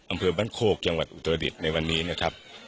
อำเภอบ้านโคกจังหวัดอุตรดิษฐ์ในวันนี้นะครับ